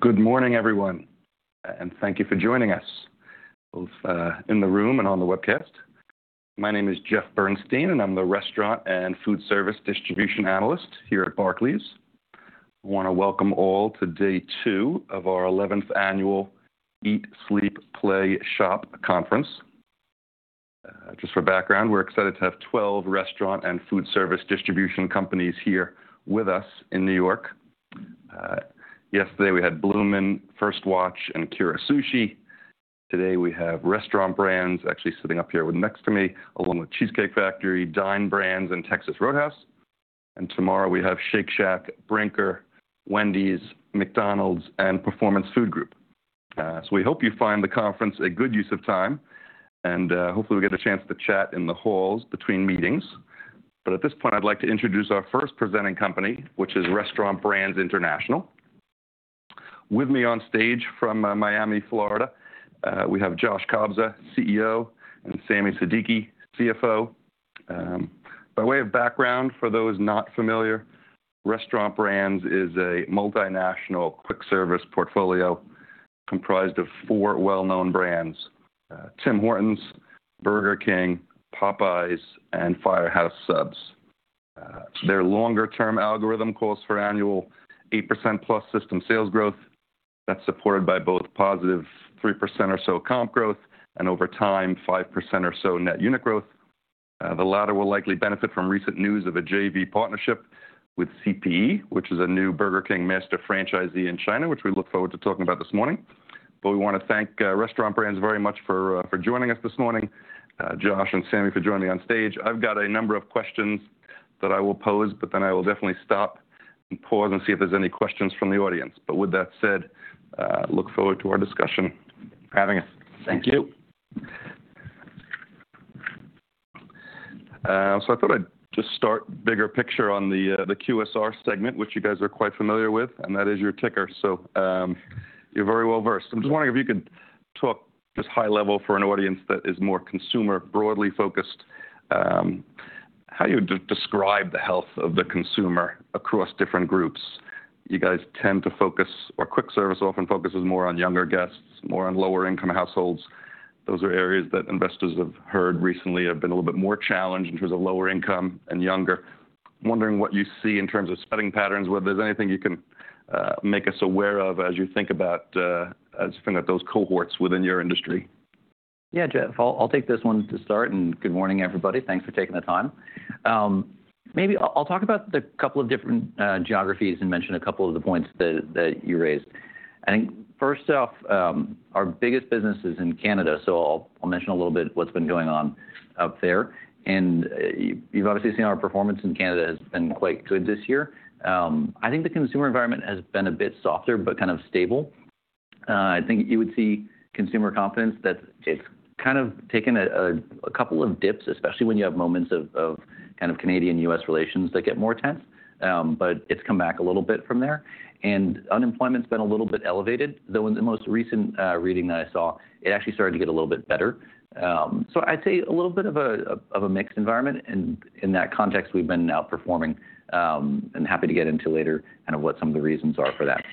Good morning, everyone, and thank you for joining us, both in the room and on the webcast. My name is Jeff Bernstein, and I'm the restaurant and food service distribution analyst here at Barclays. I want to welcome all to day two of our 11th annual Eat, Sleep, Play, Shop conference. Just for background, we're excited to have 12 restaurant and food service distribution companies here with us in New York. Yesterday, we had Bloomin', First Watch, and Kura Sushi. Today, we have Restaurant Brands actually sitting up here next to me, along with Cheesecake Factory, Dine Brands, and Texas Roadhouse. And tomorrow, we have Shake Shack, Brinker, Wendy's, McDonald's, and Performance Food Group. So we hope you find the conference a good use of time, and hopefully, we get a chance to chat in the halls between meetings. But at this point, I'd like to introduce our first presenting company, which is Restaurant Brands International. With me on stage from Miami, Florida, we have Josh Kobza, CEO, and Sami Siddiqui, CFO. By way of background, for those not familiar, Restaurant Brands is a multinational quick service portfolio comprised of four well-known brands: Tim Hortons, Burger King, Popeyes, and Firehouse Subs. Their longer-term algorithm calls for annual 8%+ system sales growth. That's supported by both +3% or so comp growth and, over time, 5% or so net unit growth. The latter will likely benefit from recent news of a JV partnership with CPE, which is a new Burger King master franchisee in China, which we look forward to talking about this morning. But we want to thank Restaurant Brands very much for joining us this morning, Josh and Sami for joining me on stage. I've got a number of questions that I will pose, but then I will definitely stop and pause and see if there's any questions from the audience. But with that said, look forward to our discussion. Thank you. So I thought I'd just start bigger picture on the QSR segment, which you guys are quite familiar with, and that is your ticker. So you're very well versed. I'm just wondering if you could talk just high level for an audience that is more consumer broadly focused. How do you describe the health of the consumer across different groups? You guys tend to focus, or quick service often focuses more on younger guests, more on lower-income households. Those are areas that investors have heard recently have been a little bit more challenged in terms of lower income and younger. I'm wondering what you see in terms of spending patterns, whether there's anything you can make us aware of as you think about those cohorts within your industry. Yeah, Jeff, I'll take this one to start, and good morning, everybody. Thanks for taking the time. Maybe I'll talk about a couple of different geographies and mention a couple of the points that you raised. I think first off, our biggest business is in Canada, so I'll mention a little bit what's been going on up there, and you've obviously seen our performance in Canada has been quite good this year. I think the consumer environment has been a bit softer but kind of stable. I think you would see consumer confidence that's kind of taken a couple of dips, especially when you have moments of kind of Canadian-U.S. relations that get more tense, but it's come back a little bit from there, and unemployment's been a little bit elevated, though in the most recent reading that I saw, it actually started to get a little bit better. I'd say a little bit of a mixed environment. In that context, we've been outperforming and happy to get into later kind of what some of the reasons are for that.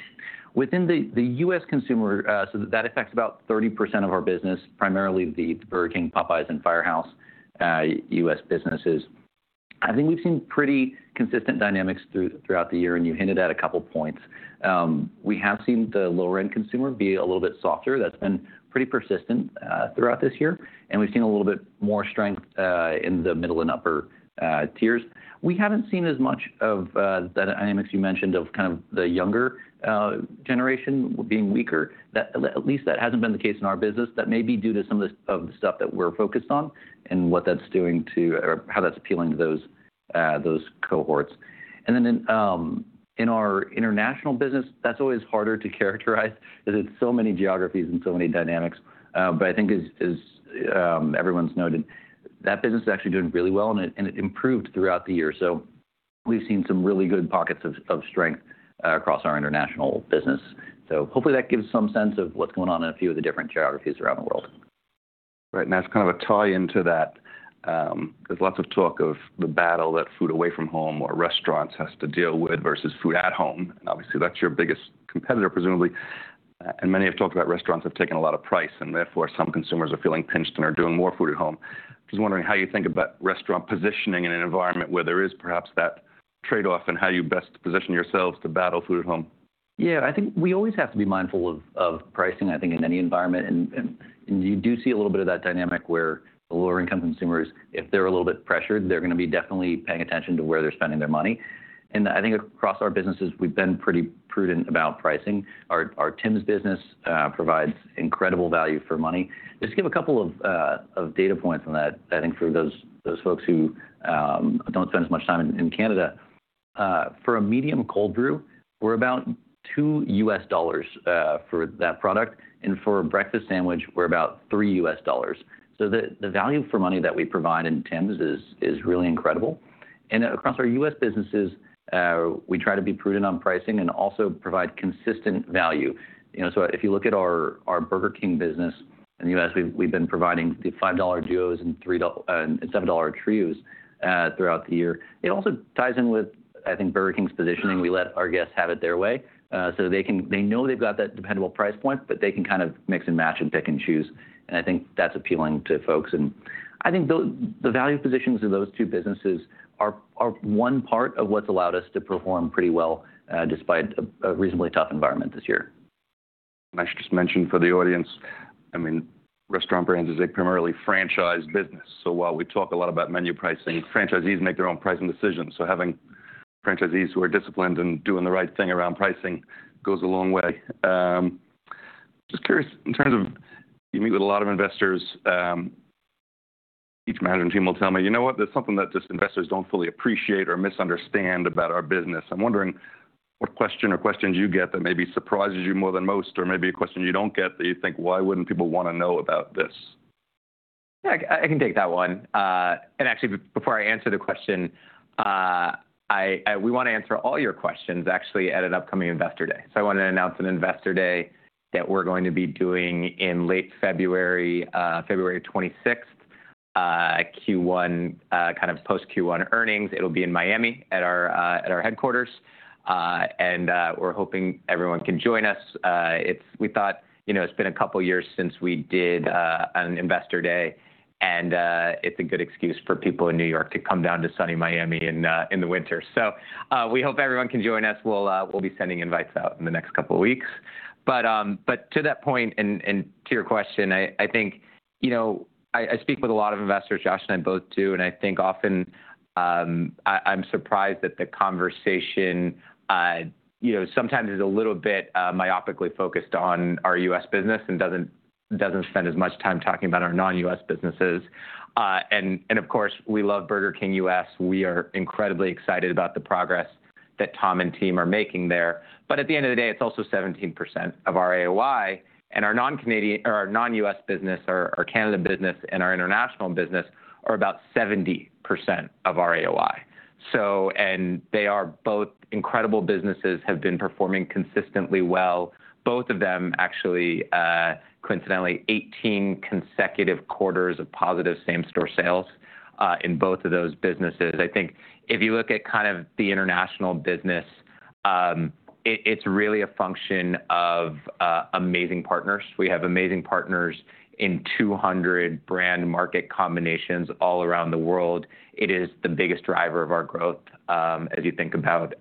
Within the U.S. consumer, so that affects about 30% of our business, primarily the Burger King, Popeyes, and Firehouse U.S. businesses. I think we've seen pretty consistent dynamics throughout the year, and you hinted at a couple of points. We have seen the lower-end consumer be a little bit softer. That's been pretty persistent throughout this year. We've seen a little bit more strength in the middle and upper tiers. We haven't seen as much of the dynamics you mentioned of kind of the younger generation being weaker. At least that hasn't been the case in our business. That may be due to some of the stuff that we're focused on and what that's doing to or how that's appealing to those cohorts, and then in our international business, that's always harder to characterize because it's so many geographies and so many dynamics, but I think, as everyone's noted, that business is actually doing really well, and it improved throughout the year, so we've seen some really good pockets of strength across our international business, so hopefully, that gives some sense of what's going on in a few of the different geographies around the world. Right. And that's kind of a tie-in to that. There's lots of talk of the battle that food away from home or restaurants has to deal with versus food at home. And obviously, that's your biggest competitor, presumably. And many have talked about restaurants have taken a lot of price, and therefore, some consumers are feeling pinched and are doing more food at home. I'm just wondering how you think about restaurant positioning in an environment where there is perhaps that trade-off and how you best position yourselves to battle food at home. Yeah, I think we always have to be mindful of pricing, I think, in any environment. And you do see a little bit of that dynamic where the lower-income consumers, if they're a little bit pressured, they're going to be definitely paying attention to where they're spending their money. And I think across our businesses, we've been pretty prudent about pricing. Our Tim's business provides incredible value for money. Just to give a couple of data points on that, I think for those folks who don't spend as much time in Canada, for a medium cold brew, we're about $2 for that product. And for a breakfast sandwich, we're about $3. So the value for money that we provide in Tim's is really incredible. And across our U.S. businesses, we try to be prudent on pricing and also provide consistent value. So if you look at our Burger King business in the U.S., we've been providing the $5 Duos and $7 Trios throughout the year. It also ties in with, I think, Burger King's positioning. We let our guests have it their way. So they know they've got that dependable price point, but they can kind of mix and match and pick and choose. And I think that's appealing to folks. And I think the value positions of those two businesses are one part of what's allowed us to perform pretty well despite a reasonably tough environment this year. I should just mention for the audience, I mean, Restaurant Brands is a primarily franchise business. So while we talk a lot about menu pricing, franchisees make their own pricing decisions. So having franchisees who are disciplined and doing the right thing around pricing goes a long way. Just curious, in terms of you meet with a lot of investors, each management team will tell me, "You know what? There's something that just investors don't fully appreciate or misunderstand about our business." I'm wondering what question or questions you get that maybe surprises you more than most, or maybe a question you don't get that you think, "Why wouldn't people want to know about this? Yeah, I can take that one. And actually, before I answer the question, we want to answer all your questions, actually, at an upcoming Investor Day. So I want to announce an Investor Day that we're going to be doing in late February, February 26th, Q1, kind of post-Q1 earnings. It'll be in Miami at our headquarters. And we're hoping everyone can join us. We thought it's been a couple of years since we did an Investor Day, and it's a good excuse for people in New York to come down to sunny Miami in the winter. So we hope everyone can join us. We'll be sending invites out in the next couple of weeks. But to that point, and to your question, I think I speak with a lot of investors, Josh and I both do. I think often I'm surprised that the conversation sometimes is a little bit myopically focused on our U.S. business and doesn't spend as much time talking about our non-U.S. businesses. Of course, we love Burger King U.S. We are incredibly excited about the progress that Tom and team are making there. But at the end of the day, it's also 17% of our AOI. Our non-U.S. business, our Canada business, and our international business are about 70% of our AOI. They are both incredible businesses, have been performing consistently well. Both of them, actually, coincidentally, 18 consecutive quarters of positive same-store sales in both of those businesses. I think if you look at kind of the international business, it's really a function of amazing partners. We have amazing partners in 200-brand market combinations all around the world. It is the biggest driver of our growth. As you think about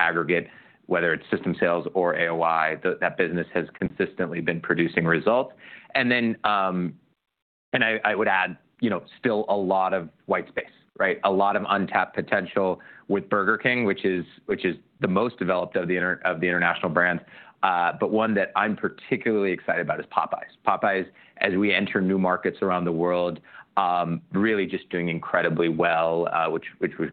aggregate, whether it's system sales or AOI, that business has consistently been producing results, and I would add still a lot of white space, right? A lot of untapped potential with Burger King, which is the most developed of the international brands, but one that I'm particularly excited about is Popeyes. Popeyes, as we enter new markets around the world, really just doing incredibly well, which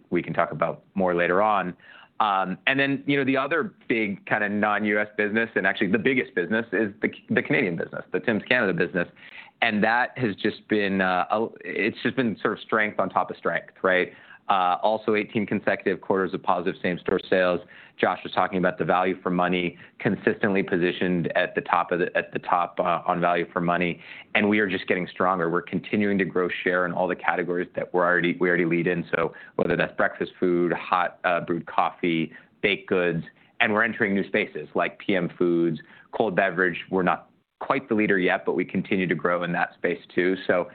we can talk about more later on, and then the other big kind of non-U.S. business, and actually the biggest business, is the Canadian business, the Tim's Canada business, and that has just been sort of strength on top of strength, right? Also, 18 consecutive quarters of positive same-store sales. Josh was talking about the value for money, consistently positioned at the top on value for money, and we are just getting stronger. We're continuing to grow share in all the categories that we already lead in. So whether that's breakfast food, hot brewed coffee, baked goods, and we're entering new spaces like P.M. foods, cold beverage. We're not quite the leader yet, but we continue to grow in that space too. So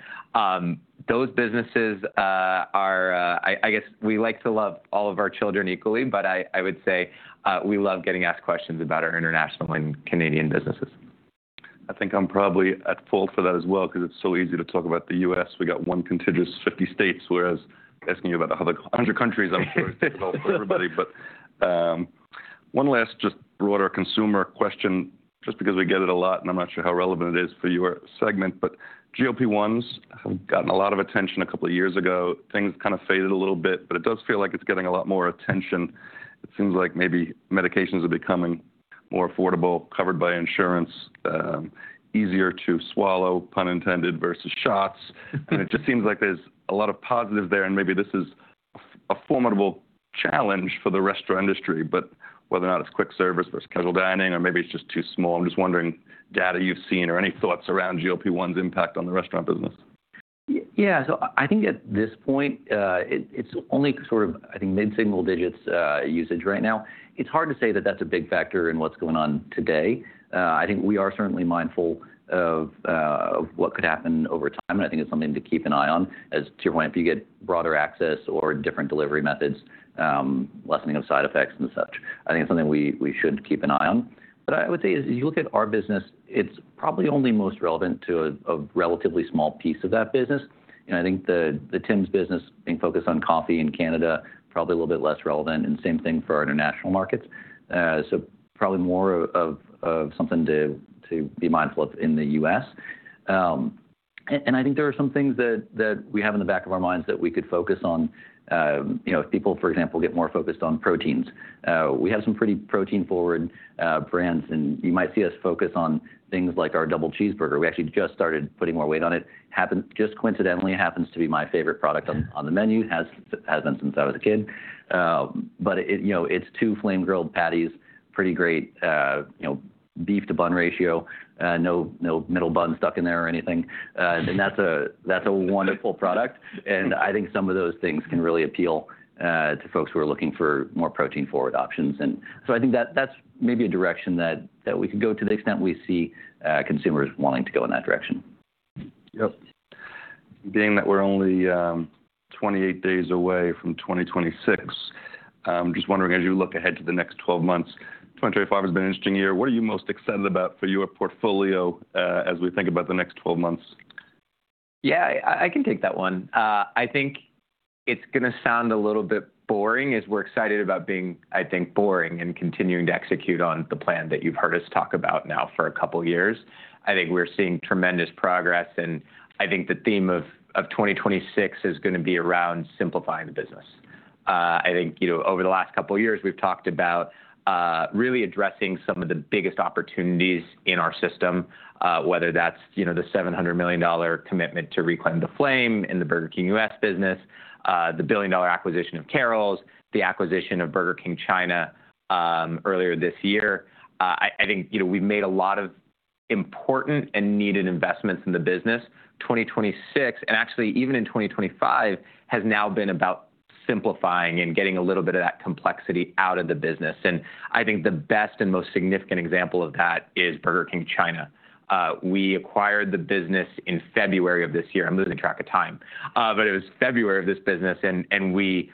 those businesses are, I guess, we like to love all of our children equally, but I would say we love getting asked questions about our international and Canadian businesses. I think I'm probably at fault for that as well because it's so easy to talk about the U.S. We got one contiguous 50 states, whereas asking you about 100 countries, I'm sure, is difficult for everybody. But one last just broader consumer question, just because we get it a lot, and I'm not sure how relevant it is for your segment, but GLP-1s have gotten a lot of attention a couple of years ago. Things kind of faded a little bit, but it does feel like it's getting a lot more attention. It seems like maybe medications are becoming more affordable, covered by insurance, easier to swallow, pun intended, versus shots. And it just seems like there's a lot of positives there. And maybe this is a formidable challenge for the restaurant industry, but whether or not it's quick service versus casual dining, or maybe it's just too small. I'm just wondering data you've seen or any thoughts around GLP-1's impact on the restaurant business. Yeah. So I think at this point, it's only sort of, I think, mid-single digits usage right now. It's hard to say that that's a big factor in what's going on today. I think we are certainly mindful of what could happen over time. And I think it's something to keep an eye on, as to your point, if you get broader access or different delivery methods, lessening of side effects and such. I think it's something we should keep an eye on. But I would say, as you look at our business, it's probably only most relevant to a relatively small piece of that business. And I think the Tim's business being focused on coffee in Canada is probably a little bit less relevant, and same thing for our international markets. So probably more of something to be mindful of in the U.S. I think there are some things that we have in the back of our minds that we could focus on. If people, for example, get more focused on proteins, we have some pretty protein-forward brands. You might see us focus on things like our double cheeseburger. We actually just started putting more weight on it. Just coincidentally, it happens to be my favorite product on the menu. It has been since I was a kid. It's two flame-grilled patties, pretty great beef-to-bun ratio, no middle bun stuck in there or anything. That's a wonderful product. I think some of those things can really appeal to folks who are looking for more protein-forward options. I think that's maybe a direction that we could go to the extent we see consumers wanting to go in that direction. Yep. Being that we're only 28 days away from 2026, I'm just wondering, as you look ahead to the next 12 months, 2025 has been an interesting year. What are you most excited about for your portfolio as we think about the next 12 months? Yeah, I can take that one. I think it's going to sound a little bit boring as we're excited about being, I think, boring and continuing to execute on the plan that you've heard us talk about now for a couple of years. I think we're seeing tremendous progress. And I think the theme of 2026 is going to be around simplifying the business. I think over the last couple of years, we've talked about really addressing some of the biggest opportunities in our system, whether that's the $700 million commitment to reclaim the flame in the Burger King U.S. business, the billion-dollar acquisition of Carrols, the acquisition of Burger King China earlier this year. I think we've made a lot of important and needed investments in the business. 2026, and actually even in 2025, has now been about simplifying and getting a little bit of that complexity out of the business. And I think the best and most significant example of that is Burger King China. We acquired the business in February of this year. I'm losing track of time. But it was February of this business. And we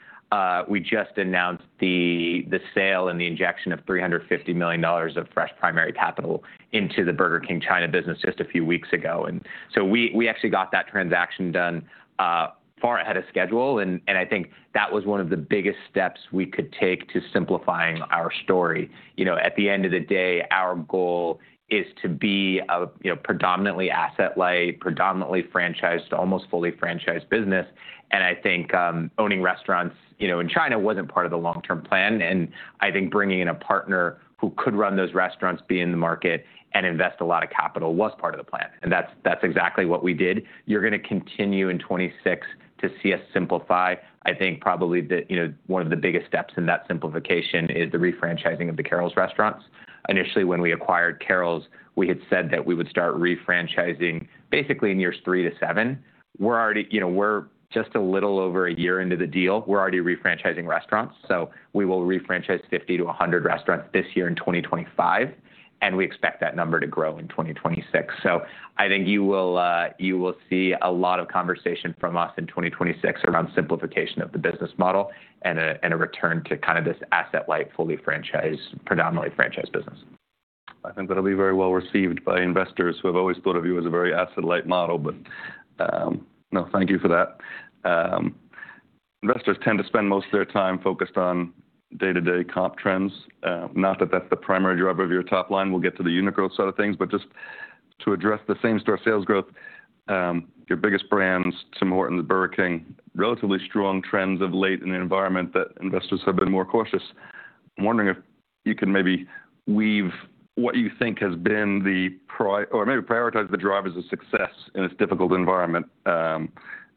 just announced the sale and the injection of $350 million of fresh primary capital into the Burger King China business just a few weeks ago. And so we actually got that transaction done far ahead of schedule. And I think that was one of the biggest steps we could take to simplifying our story. At the end of the day, our goal is to be a predominantly asset-light, predominantly franchised, almost fully franchised business. And I think owning restaurants in China wasn't part of the long-term plan. I think bringing in a partner who could run those restaurants, be in the market, and invest a lot of capital was part of the plan. That's exactly what we did. You're going to continue in 2026 to see us simplify. I think probably one of the biggest steps in that simplification is the refranchising of the Carrols restaurants. Initially, when we acquired Carrols, we had said that we would start refranchising basically in years three to seven. We're just a little over a year into the deal. We're already refranchising restaurants. We will refranchise 50-100 restaurants this year in 2025. We expect that number to grow in 2026. I think you will see a lot of conversation from us in 2026 around simplification of the business model and a return to kind of this asset-light, fully franchised, predominantly franchised business. I think that'll be very well received by investors who have always thought of you as a very asset-light model. But no, thank you for that. Investors tend to spend most of their time focused on day-to-day comp trends. Not that that's the primary driver of your top line. We'll get to the international side of things. But just to address the same-store sales growth, your biggest brands, Tim Hortons, Burger King, relatively strong trends of late in the environment that investors have been more cautious. I'm wondering if you can maybe weave what you think has been or maybe prioritize the drivers of success in this difficult environment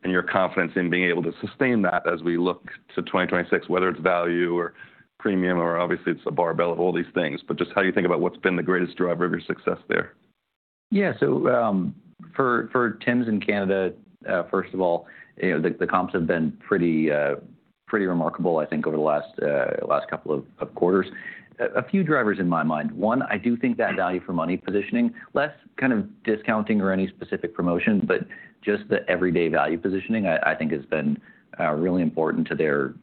and your confidence in being able to sustain that as we look to 2026, whether it's value or premium or obviously it's a barbell of all these things. But just how you think about what's been the greatest driver of your success there. Yeah. So for Tim's and Canada, first of all, the comps have been pretty remarkable, I think, over the last couple of quarters. A few drivers in my mind. One, I do think that value for money positioning, less kind of discounting or any specific promotion, but just the everyday value positioning, I think, has been really important to their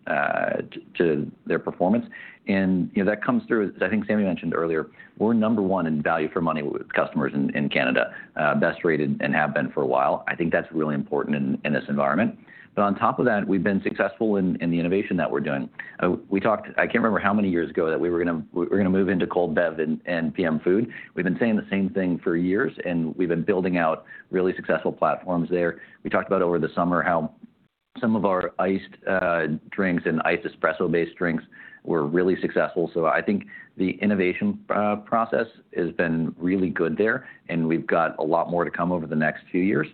performance, and that comes through, as I think Sami mentioned earlier, we're number one in value for money with customers in Canada, best rated and have been for a while. I think that's really important in this environment, but on top of that, we've been successful in the innovation that we're doing. I can't remember how many years ago that we were going to move into cold bev and PM food. We've been saying the same thing for years, and we've been building out really successful platforms there. We talked about over the summer how some of our iced drinks and iced espresso-based drinks were really successful. So I think the innovation process has been really good there. And we've got a lot more to come over the next few years.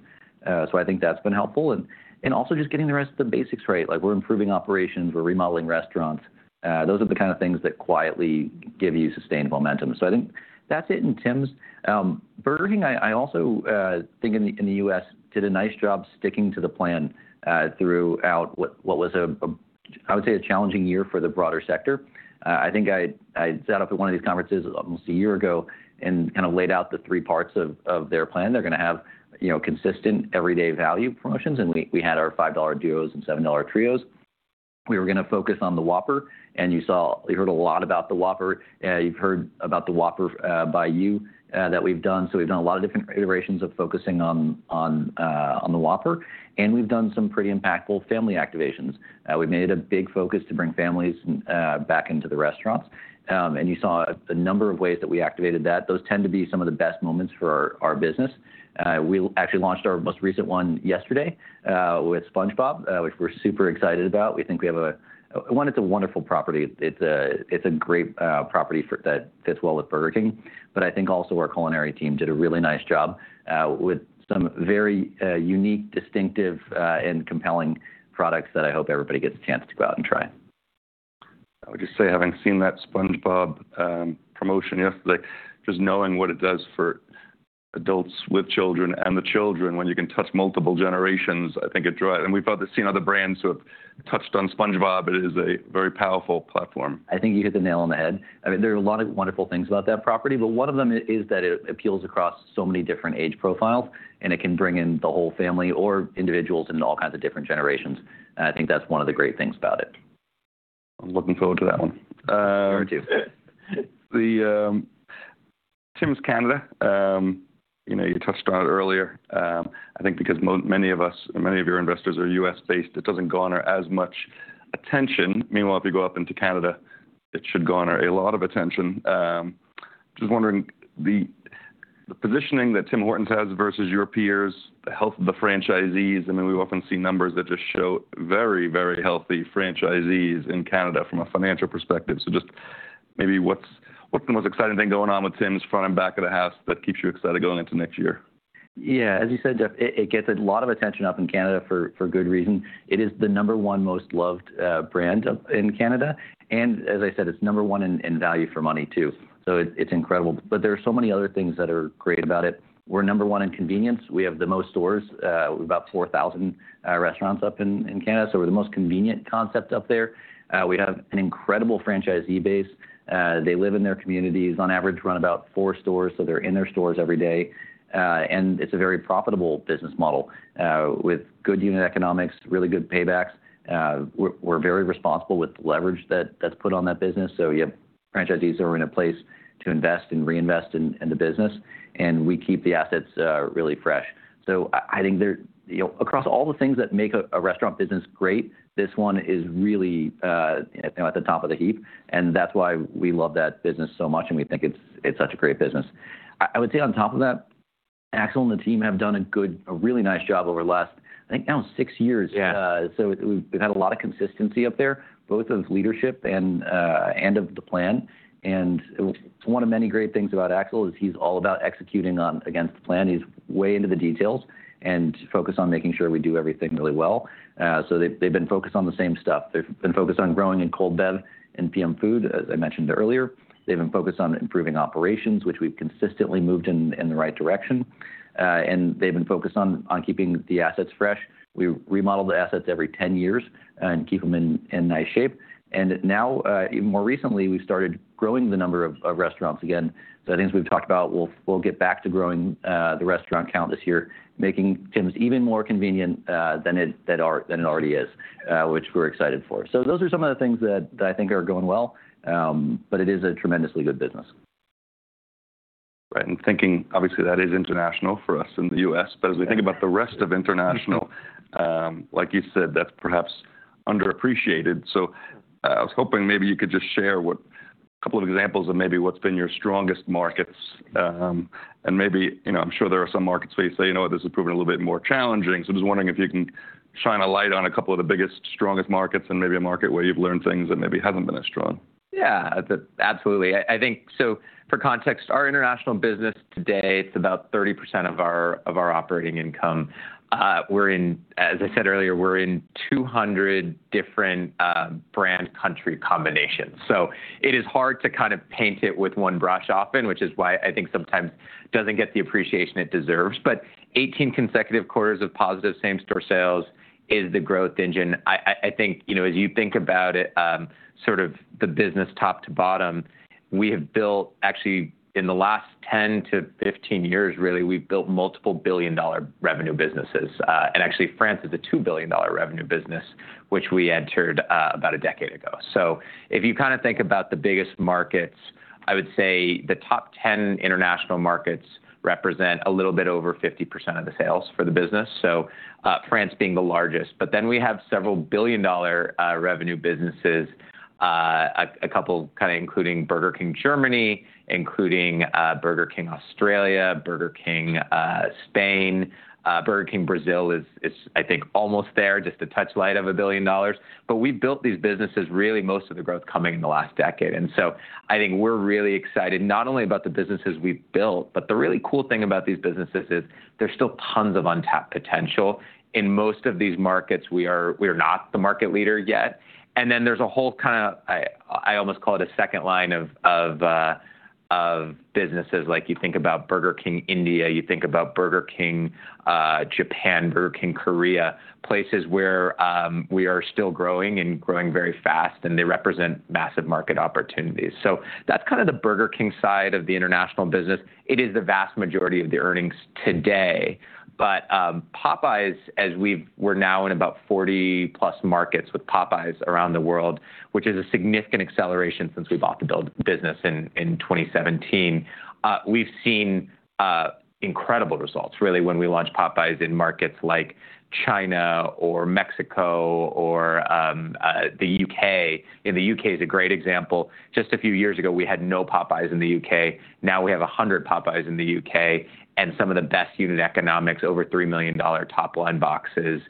So I think that's been helpful. And also just getting the rest of the basics right. We're improving operations. We're remodeling restaurants. Those are the kind of things that quietly give you sustained momentum. So I think that's it in Tim's. Burger King, I also think in the U.S. did a nice job sticking to the plan throughout what was, I would say, a challenging year for the broader sector. I think I sat up at one of these conferences almost a year ago and kind of laid out the three parts of their plan. They're going to have consistent everyday value promotions. We had our $5 Duos and $7 Trios. We were going to focus on the Whopper. You heard a lot about the Whopper. You've heard about the Whopper By You that we've done. We've done a lot of different iterations of focusing on the Whopper. We've done some pretty impactful family activations. We've made it a big focus to bring families back into the restaurants. You saw a number of ways that we activated that. Those tend to be some of the best moments for our business. We actually launched our most recent one yesterday with SpongeBob, which we're super excited about. We think we have a winner. It's a wonderful property. It's a great property that fits well with Burger King. But I think also our culinary team did a really nice job with some very unique, distinctive, and compelling products that I hope everybody gets a chance to go out and try. I would just say, having seen that SpongeBob promotion yesterday, just knowing what it does for adults with children and the children, when you can touch multiple generations, I think it drives. And we've seen other brands who have touched on SpongeBob. It is a very powerful platform. I think you hit the nail on the head. I mean, there are a lot of wonderful things about that property. But one of them is that it appeals across so many different age profiles. And it can bring in the whole family or individuals in all kinds of different generations. And I think that's one of the great things about it. I'm looking forward to that one. Me too. The Tim's Canada, you touched on it earlier. I think because many of your investors are U.S.-based, it doesn't garner as much attention. Meanwhile, if you go up into Canada, it should garner a lot of attention. Just wondering, the positioning that Tim Hortons has versus your peers, the health of the franchisees, I mean, we often see numbers that just show very, very healthy franchisees in Canada from a financial perspective. So just maybe what's the most exciting thing going on with Tim's front and back of the house that keeps you excited going into next year? Yeah. As you said, Jeff, it gets a lot of attention up in Canada for good reason. It is the number one most loved brand in Canada. And as I said, it's number one in value for money too. So it's incredible. But there are so many other things that are great about it. We're number one in convenience. We have the most stores. We have about 4,000 restaurants up in Canada. So we're the most convenient concept up there. We have an incredible franchisee base. They live in their communities. On average, run about four stores. So they're in their stores every day. And it's a very profitable business model with good unit economics, really good paybacks. We're very responsible with the leverage that's put on that business. So you have franchisees that are in a place to invest and reinvest in the business. We keep the assets really fresh. So I think across all the things that make a restaurant business great, this one is really at the top of the heap. And that's why we love that business so much. And we think it's such a great business. I would say on top of that, Axel and the team have done a really nice job over the last, I think, now six years. So we've had a lot of consistency up there, both of leadership and of the plan. And one of many great things about Axel is he's all about executing against the plan. He's way into the details and focused on making sure we do everything really well. So they've been focused on the same stuff. They've been focused on growing in cold bev and PM food, as I mentioned earlier. They've been focused on improving operations, which we've consistently moved in the right direction, and they've been focused on keeping the assets fresh. We remodel the assets every 10 years and keep them in nice shape, and now, even more recently, we've started growing the number of restaurants again, so I think as we've talked about, we'll get back to growing the restaurant count this year, making Tim's even more convenient than it already is, which we're excited for, so those are some of the things that I think are going well, but it is a tremendously good business. Right. And thinking, obviously, that is international for us in the U.S. But as we think about the rest of international, like you said, that's perhaps underappreciated. So I was hoping maybe you could just share a couple of examples of maybe what's been your strongest markets. And maybe I'm sure there are some markets where you say, you know what, this has proven a little bit more challenging. So I'm just wondering if you can shine a light on a couple of the biggest, strongest markets and maybe a market where you've learned things that maybe haven't been as strong. Yeah, absolutely. I think so for context, our international business today, it's about 30% of our operating income. As I said earlier, we're in 200 different brand country combinations. So it is hard to kind of paint it with one brush often, which is why I think sometimes it doesn't get the appreciation it deserves. But 18 consecutive quarters of positive same-store sales is the growth engine. I think as you think about it, sort of the business top to bottom, we have built actually in the last 10-15 years, really, we've built multiple billion-dollar revenue businesses. And actually, France is a $2 billion revenue business, which we entered about a decade ago. So if you kind of think about the biggest markets, I would say the top 10 international markets represent a little bit over 50% of the sales for the business. So France being the largest. But then we have several billion-dollar revenue businesses, a couple kind of including Burger King Germany, including Burger King Australia, Burger King Spain. Burger King Brazil is, I think, almost there, just a touch light of $1 billion. But we've built these businesses really most of the growth coming in the last decade. And so I think we're really excited not only about the businesses we've built, but the really cool thing about these businesses is there's still tons of untapped potential. In most of these markets, we are not the market leader yet. And then there's a whole kind of, I almost call it a second line of businesses. Like you think about Burger King India, you think about Burger King Japan, Burger King Korea, places where we are still growing and growing very fast. And they represent massive market opportunities. So that's kind of the Burger King side of the international business. It is the vast majority of the earnings today. But Popeyes, as we're now in about 40+ markets with Popeyes around the world, which is a significant acceleration since we bought the business in 2017, we've seen incredible results, really, when we launch Popeyes in markets like China or Mexico or the U.K. And the U.K. is a great example. Just a few years ago, we had no Popeyes in the U.K. Now we have 100 Popeyes in the U.K. and some of the best unit economics, over $3 million top-line boxes,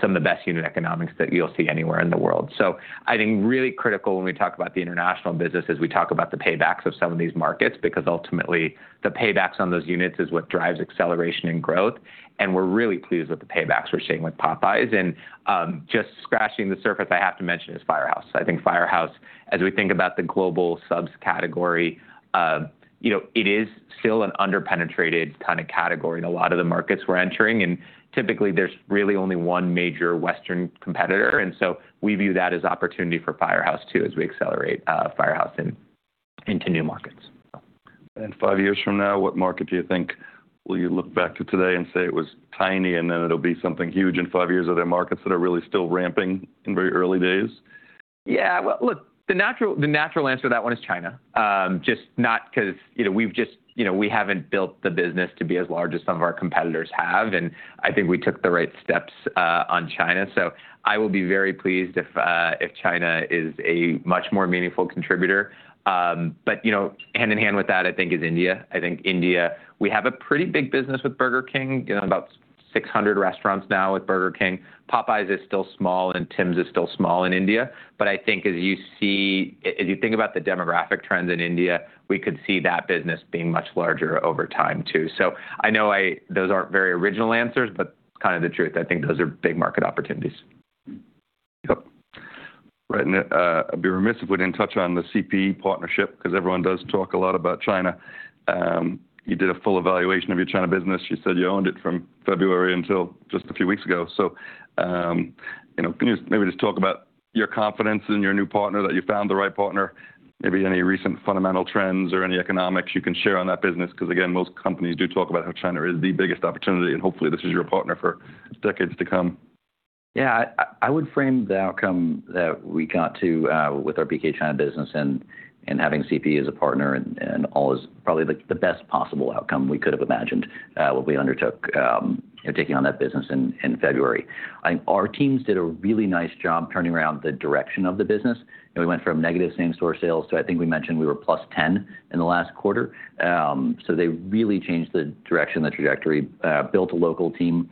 some of the best unit economics that you'll see anywhere in the world. So I think really critical when we talk about the international business is we talk about the paybacks of some of these markets because ultimately the paybacks on those units is what drives acceleration and growth. And we're really pleased with the paybacks we're seeing with Popeyes. And just scratching the surface, I have to mention is Firehouse. I think Firehouse, as we think about the global subcategory, it is still an underpenetrated kind of category in a lot of the markets we're entering. And typically, there's really only one major Western competitor. And so we view that as opportunity for Firehouse too as we accelerate Firehouse into new markets. Five years from now, what market do you think will you look back to today and say it was tiny and then it'll be something huge in five years? Are there markets that are really still ramping in very early days? Yeah. Well, look, the natural answer to that one is China. Just not because we haven't built the business to be as large as some of our competitors have. And I think we took the right steps on China. So I will be very pleased if China is a much more meaningful contributor. But hand in hand with that, I think, is India. I think India, we have a pretty big business with Burger King, about 600 restaurants now with Burger King. Popeyes is still small and Tim's is still small in India. But I think as you think about the demographic trends in India, we could see that business being much larger over time too. So I know those aren't very original answers, but kind of the truth. I think those are big market opportunities. Yep. Right. And I'd be remiss if we didn't touch on the CPE partnership because everyone does talk a lot about China. You did a full evaluation of your China business. You said you owned it from February until just a few weeks ago. So can you maybe just talk about your confidence in your new partner, that you found the right partner, maybe any recent fundamental trends or any economics you can share on that business? Because again, most companies do talk about how China is the biggest opportunity. And hopefully, this is your partner for decades to come. Yeah. I would frame the outcome that we got to with our BK China business and having CPE as a partner and all is probably the best possible outcome we could have imagined when we undertook taking on that business in February. I think our teams did a really nice job turning around the direction of the business. We went from negative same-store sales to, I think we mentioned we were +10% in the last quarter. So they really changed the direction, the trajectory, built a local team,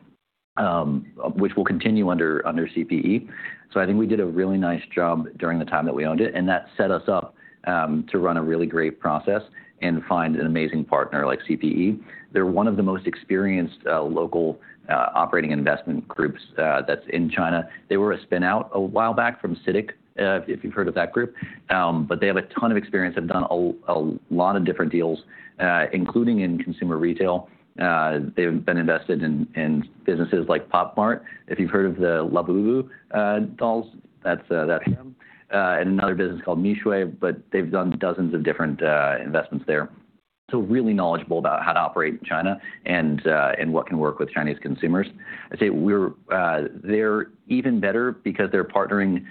which will continue under CPE. So I think we did a really nice job during the time that we owned it. And that set us up to run a really great process and find an amazing partner like CPE. They're one of the most experienced local operating investment groups that's in China. They were a spinout a while back from CITIC, if you've heard of that group. But they have a ton of experience. They've done a lot of different deals, including in consumer retail. They've been invested in businesses like POP MART. If you've heard of the Labubu dolls, that's them. And another business called Mixue. But they've done dozens of different investments there. So really knowledgeable about how to operate in China and what can work with Chinese consumers. I'd say they're even better because they're partnering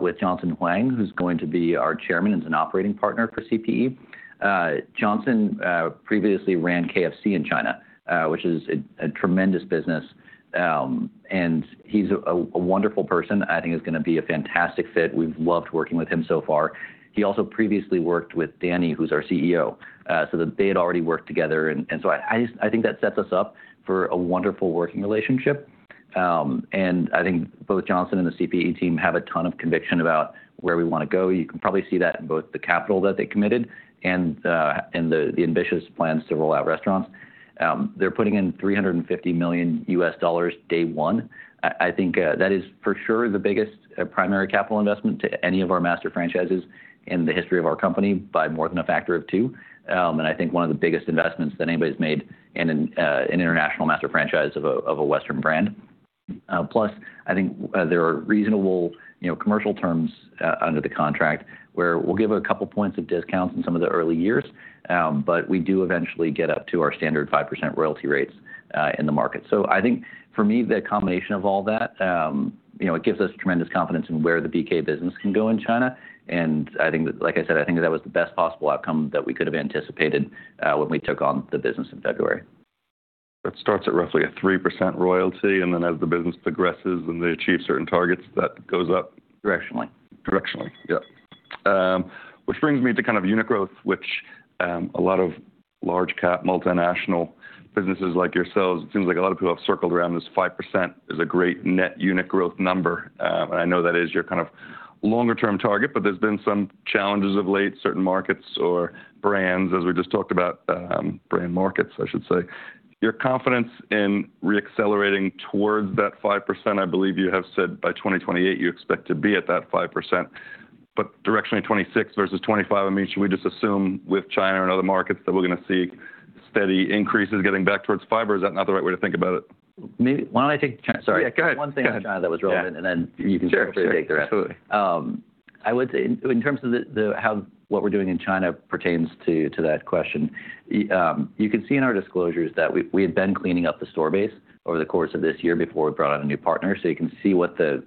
with Johnson Huang, who's going to be our chairman and an operating partner for CPE. Johnson previously ran KFC in China, which is a tremendous business. And he's a wonderful person. I think he's going to be a fantastic fit. We've loved working with him so far. He also previously worked with Danny, who's our CEO. So they had already worked together. And so I think that sets us up for a wonderful working relationship. And I think both Johnson and the CPE team have a ton of conviction about where we want to go. You can probably see that in both the capital that they committed and the ambitious plans to roll out restaurants. They're putting in $350 million day one. I think that is for sure the biggest primary capital investment to any of our master franchises in the history of our company by more than a factor of two. And I think one of the biggest investments that anybody's made in an international master franchise of a Western brand. Plus, I think there are reasonable commercial terms under the contract where we'll give a couple points of discounts in some of the early years. But we do eventually get up to our standard 5% royalty rates in the market. So I think for me, the combination of all that, it gives us tremendous confidence in where the BK business can go in China. And I think, like I said, I think that was the best possible outcome that we could have anticipated when we took on the business in February. That starts at roughly a 3% royalty, and then as the business progresses and they achieve certain targets, that goes up. Directionally. Directionally. Yeah. Which brings me to kind of unit growth, which a lot of large-cap multinational businesses like yourselves, it seems like a lot of people have circled around this 5% is a great net unit growth number. And I know that is your kind of longer-term target. But there's been some challenges of late, certain markets or brands, as we just talked about, brand markets, I should say. Your confidence in re-accelerating towards that 5%, I believe you have said by 2028 you expect to be at that 5%. But directionally 2026 versus 2025, I mean, should we just assume with China and other markets that we're going to see steady increases getting back towards fiver? Is that not the right way to think about it? Why don't I take China? Sorry. Yeah, go ahead. One thing in China that was relevant, and then you can take the rest. Sure. Absolutely. I would say in terms of what we're doing in China pertains to that question, you can see in our disclosures that we had been cleaning up the store base over the course of this year before we brought on a new partner. So you can see what the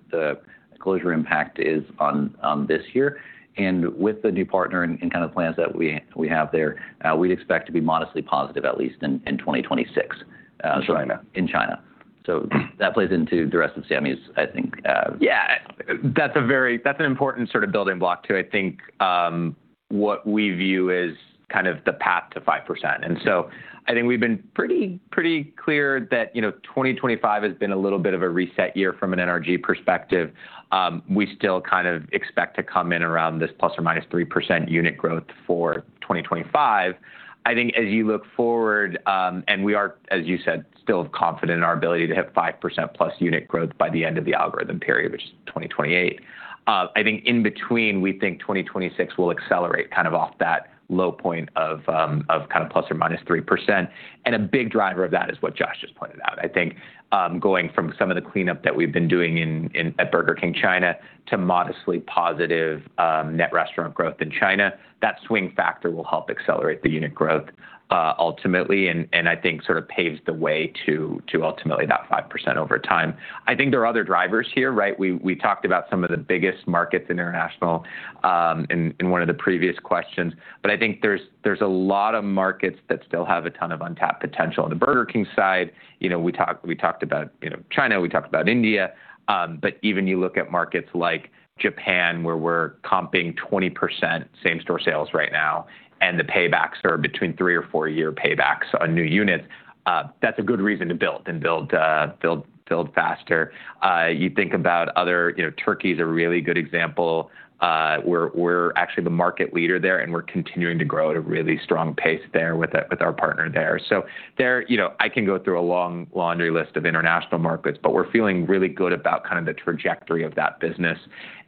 closure impact is on this year, and with the new partner and kind of plans that we have there, we'd expect to be modestly positive at least in 2026. In China. In China. So that plays into the rest of Sami's, I think. Yeah. That's an important sort of building block to, I think, what we view as kind of the path to 5%. And so I think we've been pretty clear that 2025 has been a little bit of a reset year from an NRG perspective. We still kind of expect to come in around this plus or minus 3% unit growth for 2025. I think as you look forward, and we are, as you said, still confident in our ability to hit 5% plus unit growth by the end of the long-term period, which is 2028. I think in between, we think 2026 will accelerate kind of off that low point of kind of plus or minus 3%. And a big driver of that is what Josh just pointed out. I think going from some of the cleanup that we've been doing at Burger King China to modestly positive net restaurant growth in China, that swing factor will help accelerate the unit growth ultimately. I think sort of paves the way to ultimately that 5% over time. I think there are other drivers here, right? We talked about some of the biggest markets in international in one of the previous questions. But I think there's a lot of markets that still have a ton of untapped potential. On the Burger King side, we talked about China, we talked about India. But even you look at markets like Japan, where we're comping 20% same-store sales right now, and the paybacks are between three- or four-year paybacks on new units, that's a good reason to build and build faster. You think about other, Turkey is a really good example. We're actually the market leader there, and we're continuing to grow at a really strong pace there with our partner there, so I can go through a long laundry list of international markets, but we're feeling really good about kind of the trajectory of that business,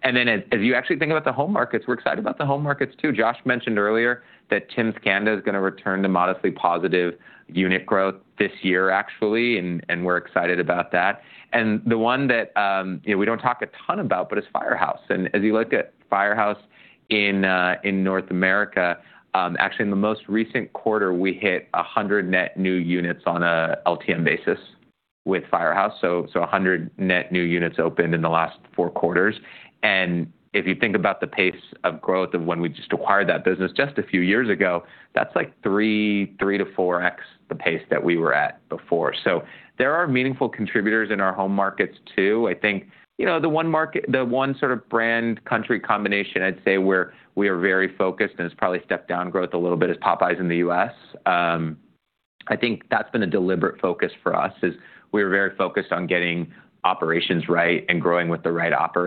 and then as you actually think about the home markets, we're excited about the home markets too. Josh mentioned earlier that Tim's Canada is going to return to modestly positive unit growth this year, actually, and we're excited about that, and the one that we don't talk a ton about, but it's Firehouse, and as you look at Firehouse in North America, actually in the most recent quarter, we hit 100 net new units on an LTM basis with Firehouse, so 100 net new units opened in the last four quarters. If you think about the pace of growth of when we just acquired that business just a few years ago, that's like 3x-4x the pace that we were at before. There are meaningful contributors in our home markets too. I think the one sort of brand country combination, I'd say, where we are very focused and has probably stepped down growth a little bit is Popeyes in the U.S. I think that's been a deliberate focus for us, is we are very focused on getting operations right and growing with the right company.